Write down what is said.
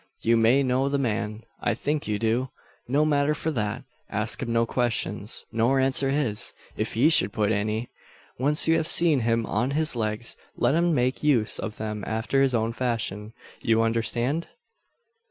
You may know the man I think you do. No matter for that. Ask him no questions, nor answer his, if he should put any. Once you have seen him on his legs, let him make use of them after his own fashion. You understand?"